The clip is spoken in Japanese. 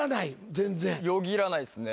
全然よぎらないですね